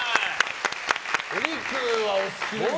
お肉はお好きですね？